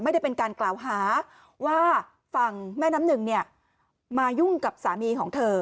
ไม่ได้เป็นการกล่าวหาว่าฝั่งแม่น้ำหนึ่งเนี่ยมายุ่งกับสามีของเธอ